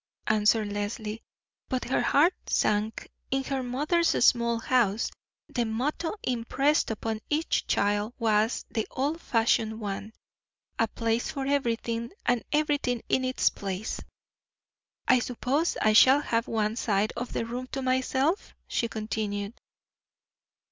answered Leslie; but her heart sank. In her mother's small house the motto impressed upon each child was the old fashioned one: "A place for everything, and everything in its place." "I suppose I shall have one side of the room to myself?" she continued.